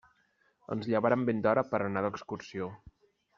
Ens llevarem ben d'hora per anar d'excursió.